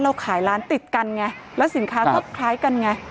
ขายร้านติดกันไงแล้วสินค้าก็คล้ายกันไง